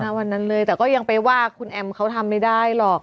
วันนั้นเลยแต่ก็ยังไปว่าคุณแอมเขาทำไม่ได้หรอก